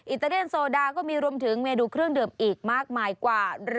อิตาเลียนโซดาก็มีรวมถึงเมนูเครื่องดื่มอีกมากมายกว่า